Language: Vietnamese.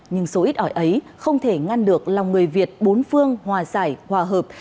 nhưng số ít ỏi ấy không thể ngăn được lòng người việt bốn phương hòa giải hòa hợp